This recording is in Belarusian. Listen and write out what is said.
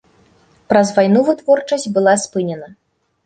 Праз вайну вытворчасць была спынена.